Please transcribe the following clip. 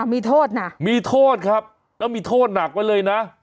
มีโทษนะมีโทษครับแล้วมีโทษหนักไว้เลยนะ